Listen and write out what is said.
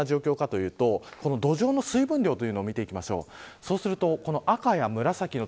今、何でこんな危険な状況かというと土壌の水分量を見ていきましょう。